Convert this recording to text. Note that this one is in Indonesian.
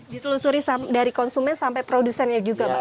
ditelusuri dari konsumen sampai produsennya juga pak